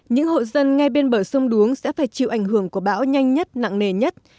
những hộ dân ngay bên bờ sông đuống sẽ phải chịu ảnh hưởng của bão nhanh nhất nặng nề nhất